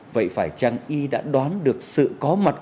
vậy phải chăng y đã đoán được sự có mặt